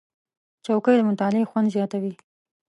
چوکۍ د مطالعې خوند زیاتوي.